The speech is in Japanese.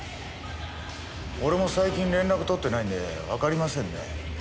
俺も最近連絡取ってないんでわかりませんね。